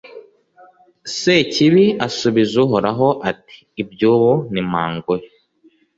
sekibi asubiza uhoraho, ati iby'ubu ni mpa nguhe